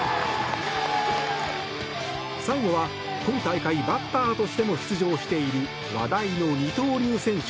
最後は今大会バッターとしても出場している話題の二刀流選手